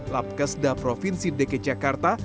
labkesda provinsi dg jakarta